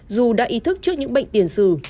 dù đã ý thức trước những bệnh tiền sử